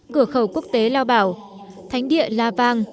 cửa khẩu quốc tế lao bảo thánh địa la vang